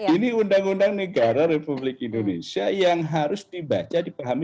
ini undang undang negara republik indonesia yang harus dibaca dipahami